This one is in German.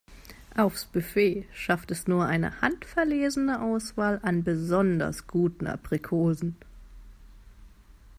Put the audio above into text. Aufs Buffet schafft es nur eine handverlesene Auswahl an besonders guten Aprikosen.